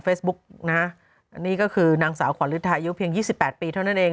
เฟซบุ๊กนะนี่ก็คือนางสาวขวรฤทายุเพียง๒๘ปีเท่านั้นเอง